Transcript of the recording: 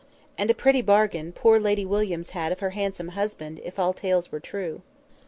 And a pretty bargain poor Lady Williams had of her handsome husband, if all tales were true.